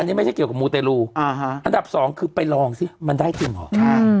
อันนี้ไม่ใช่เกี่ยวกับมูตรลูกับดับสองสิคือไปลองมันได้เต็มออก